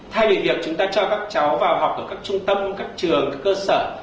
thay vì việc chúng ta cho các cháu vào học ở các trung tâm các trường các cơ sở